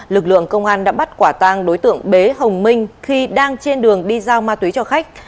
lực lượng công an đã bắt quả tang đối tượng bế hồng minh khi đang trên đường đi giao ma túy cho khách